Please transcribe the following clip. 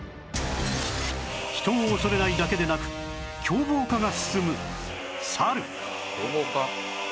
人を恐れないだけでなく凶暴化が進むサル